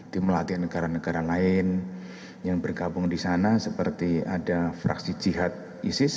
di melatih negara negara lain yang berkabung disana seperti ada fraksi jihad isis